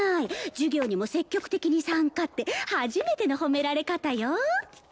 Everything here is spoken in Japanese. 授業にも積極的に参加って初めての褒められ方よ。